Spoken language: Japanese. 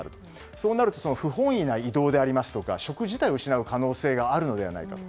そうなると不本意な異動であるとか職自体を失う可能性があるのではないかと。